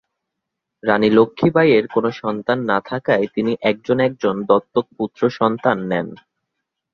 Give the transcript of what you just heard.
রানী লক্ষ্মী বাঈ এর কোনো সন্তান না থাকায় তিনি একজন একজন দত্তক পুত্র সন্তান নেন।